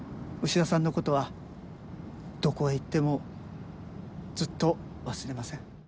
牛田さんのことはどこへ行ってもずっと忘れません